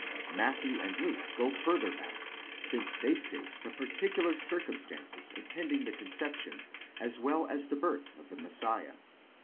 Matthew and Luke go further back, since they state the particular circumstances attending the conception as well as the birth of the Messiah.